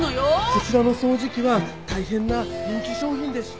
こちらの掃除機は大変な人気商品でして。